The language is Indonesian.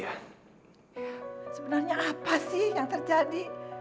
sebenarnya apa sih yang terjadi